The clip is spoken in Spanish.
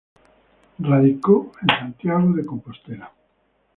Radicó en Santiago de Compostela.